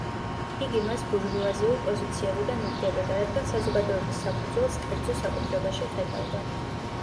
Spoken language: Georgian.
იგი მას ბურჟუაზიულ პოზიციებიდან უდგებოდა, რადგან საზოგადების საფუძველს კერძო საკუთრებაში ხედავდა.